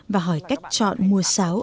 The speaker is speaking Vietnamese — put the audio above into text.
và hỏi cách chọn mua xáo